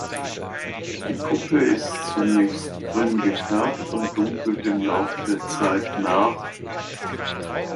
Die Puppe ist zunächst grün gefärbt und dunkelt im Laufe der Zeit nach.